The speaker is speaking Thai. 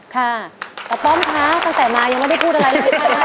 ค่ะอาป้อมคะตั้งแต่มายังไม่ได้พูดอะไรเลยค่ะ